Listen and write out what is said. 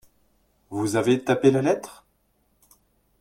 Vous avez tapé la lettre ?